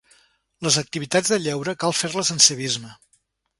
Les activitats de lleure cal fer-les amb civisme.